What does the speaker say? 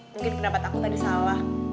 mungkin pendapat aku tadi salah